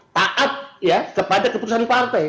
taat ya kepada keputusan partai